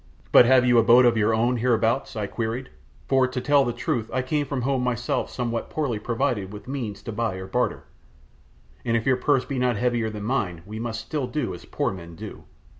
"But have you a boat of your own hereabouts?" I queried; "for to tell the truth I came from home myself somewhat poorly provided with means to buy or barter, and if your purse be not heavier than mine we must still do as poor men do."